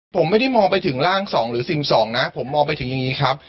ผมไม่ได้มองไปถึงร่าง๒หรือสิ่งสองนะผมมองไปถึงอย่างนี้ครับ